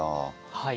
はい。